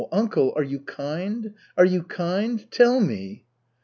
Uncle, are you kind? Are you kind? Tell me!"